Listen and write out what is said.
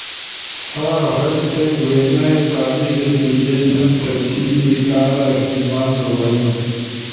سا ہر ایک وینائی قابل اپلیکیشن ترتیب کارا استعمال تھو بئینو۔